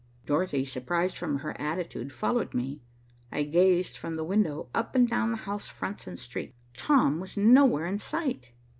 Dorothy, surprised from her attitude, followed me. I gazed from the window up and down the house fronts and street. Tom was nowhere in sight.